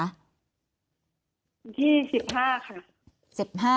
วันที่๑๕ค่ะ๑๕